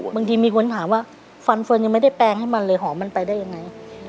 มีคนถามว่าฟันเฟิร์นยังไม่ได้แปลงให้มันเลยหอมมันไปได้ยังไง